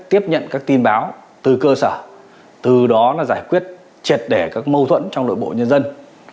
tiếp nhận các tin báo từ cơ sở từ đó giải quyết triệt đẻ các mâu thuẫn trong nội bộ nhân dân